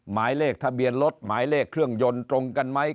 หมายเลขทะเบียนรถหมายเลขเครื่องยนต์ตรงกันไหม